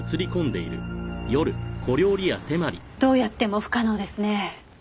どうやっても不可能ですね。